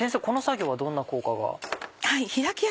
この作業はどんな効果が？